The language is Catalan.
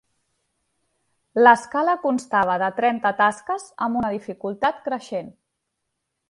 L'escala constava de trenta tasques amb una dificultat creixent.